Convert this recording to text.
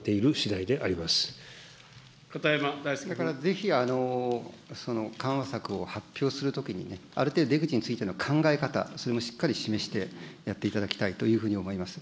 だからぜひ、その緩和策を発表するときにある程度出口についての考え方、それもしっかり示してやっていただきたいというふうに思います。